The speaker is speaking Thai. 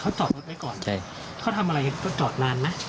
เขาจอดรถไว้ก่อนใช่เขาทำอะไรเขาจอดนานไหม